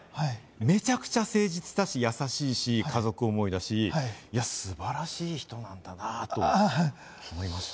めちゃくちゃ誠実だし、優しいし、家族思いだし、素晴らしい人だなぁと思いました。